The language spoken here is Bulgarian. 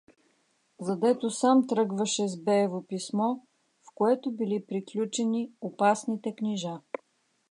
За дето сам тръгваше с беево писмо, в което били приключени опасните книжа.